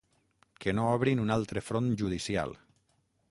Que no obrin un altre front judicial